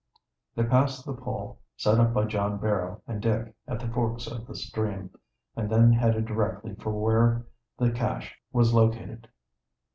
They passed the pole set up by John Barrow and Dick at the forks of the stream, and then headed directly for where the cache was located.